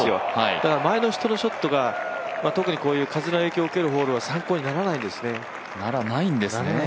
だから前の人のショットが、特にこういう風の影響を受けるホールは参考にならないんですね。